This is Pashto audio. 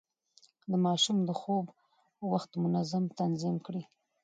د ماشوم د خوب وخت منظم تنظيم کړئ.